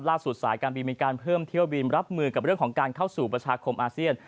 สายการบินมีการเพิ่มเที่ยวบินรับมือกับเรื่องของการเข้าสู่ประชาคมอาเซียน